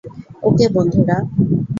ওকে, বন্ধুরা।